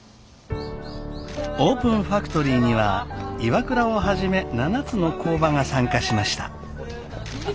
オープンファクトリーにはＩＷＡＫＵＲＡをはじめ７つの工場が参加しました。